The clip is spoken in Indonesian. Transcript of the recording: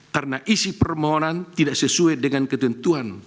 karena isi permohonan tidak sesuai dengan ketentuan